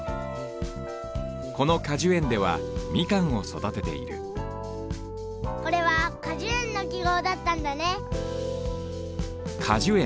この果樹園ではみかんをそだてているこれは果樹園のきごうだったんだね！